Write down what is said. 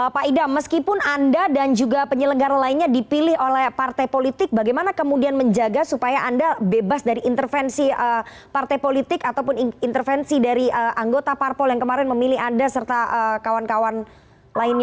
pak idam meskipun anda dan juga penyelenggara lainnya dipilih oleh partai politik bagaimana kemudian menjaga supaya anda bebas dari intervensi partai politik ataupun intervensi dari anggota parpol yang kemarin memilih anda serta kawan kawan lainnya